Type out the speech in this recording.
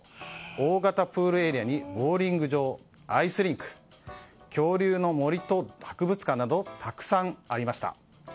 大型プールエリアにボウリング場アイスリンク恐竜の森と博物館などたくさんありました。